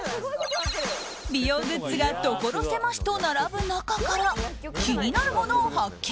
美容グッズが所狭しと並ぶ中から気になるものを発見。